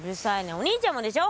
お兄ちゃんもでしょ。